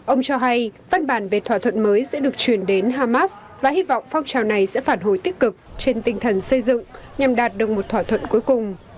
ông cho hay văn bản về thỏa thuận mới sẽ được truyền đến hamas và hy vọng phong trào này sẽ phản hồi tích cực trên tinh thần xây dựng nhằm đạt được một thỏa thuận cuối cùng